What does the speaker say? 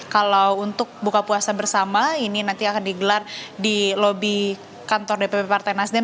kalau untuk buka puasa bersama ini nanti akan digelar di lobi kantor dpp partai nasdem